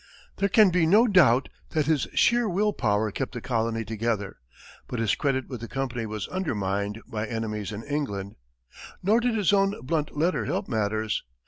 There can be no doubt that his sheer will power kept the colony together, but his credit with the company was undermined by enemies in England, nor did his own blunt letter help matters.